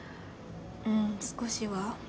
うん少しは。